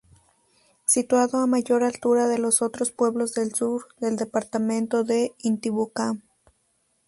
Situado a mayor altura de los otros pueblos del sur del departamento de Intibucá.